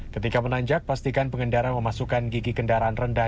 ketika menanjak pastikan pengendara memasukkan gigi kendaraan rendah